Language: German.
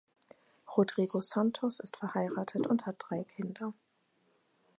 Rodrigo Santos ist verheiratet und hat drei Kinder.